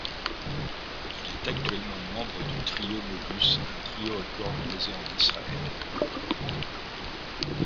Il est actuellement membre du Trio Modus, un trio à cordes basé en Israël.